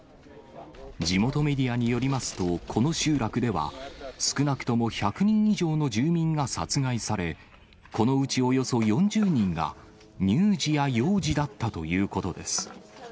地元メディアによりますと、この集落では、少なくとも１００人以上の住民が殺害され、このうちおよそ４０人が乳児や幼児だったということです。